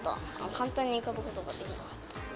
簡単に浮かぶことができなかった。